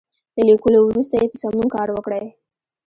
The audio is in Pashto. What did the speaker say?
له ليکلو وروسته یې په سمون کار وکړئ.